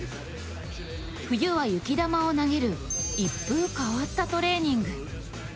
冬は雪玉を投げる、一風変わったトレーニング。